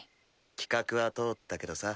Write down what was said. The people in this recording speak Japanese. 企画は通ったけどさ